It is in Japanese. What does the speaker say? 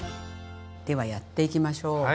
ではやっていきましょう。